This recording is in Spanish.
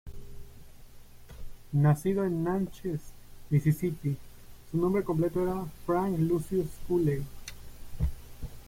Nacido en Natchez, Misisipi, su nombre completo era Frank Lucius Cooley.